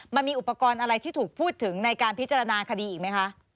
มันมีอุปกรณ์อะไรที่ถูกพูดถึงในการพิจารณาคดีอีกไหมคะ